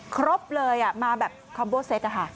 ครบเลยมาแบบคอมโบเซต